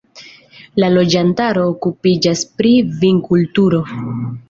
La loĝantaro okupiĝas pri vinkulturo.